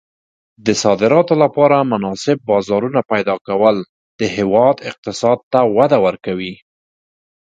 د صادراتو لپاره مناسب بازارونه پیدا کول د هېواد اقتصاد ته وده ورکوي.